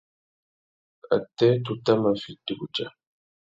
Atê, tu tà mà fiti wudja.